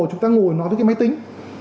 chúng ta ngồi nói với cái máy tính